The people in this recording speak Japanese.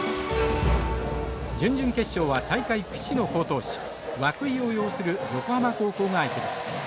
準々決勝は大会屈指の好投手涌井を擁する横浜高校が相手です。